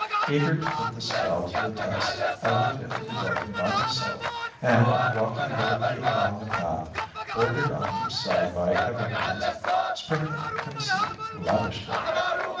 Eager to put this spell to the test, I went into the garden by myself and, walking boldly along a path, bordered on each side by evergreens, sprinkled hempseed lavishly.